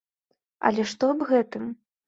Але што аб гэтым?